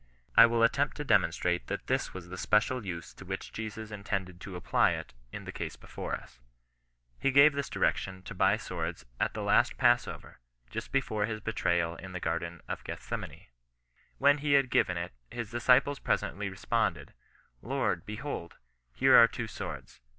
I will attempt to demonstrate that this was the special use to which Jesus intended to apply it in the case before us. He gave this direction to buy swords at the last passover, just before his betrayal in the garden of Gethsemane. When he had given it, his disciples presently responded, —" Lord, behold, here are two swords.